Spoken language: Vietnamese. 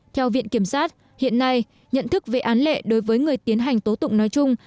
theo viện kiểm sát hiện nay nhận thức về án lệ đối với người tiến hành tố tụng nói chung